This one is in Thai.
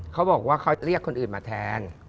เขาบอกว่าเขาเรียกคนอื่นมาแทน